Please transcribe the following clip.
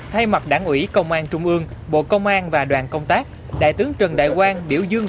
thay mặt đảng ủy công an trung ương bộ công an và đoàn công tác đại tướng trần đại quang biểu dương